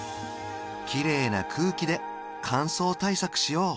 綺麗な空気で乾燥対策しよう